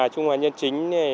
trung hòa nhân chính